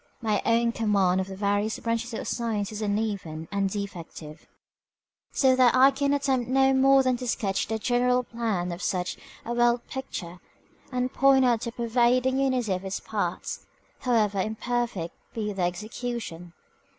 My own command of the various branches of science is uneven and defective, so that I can attempt no more than to sketch the general plan of such a world picture, and point out the pervading unity of its parts, however imperfect be the execution.